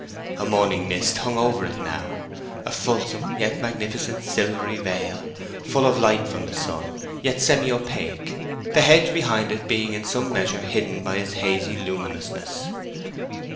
A morning mist hung over it now—a fulsome yet magnificent silvery veil, full of light from the sun, yet semi opaque—the hedge behind it being in some measure hidden by its hazy luminousness.